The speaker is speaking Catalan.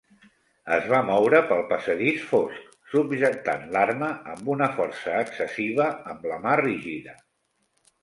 Es va moure pel passadís fosc, subjectant l'arma amb una força excessiva amb la mà rígida.